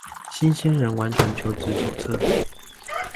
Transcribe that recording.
新鮮人完全求職手冊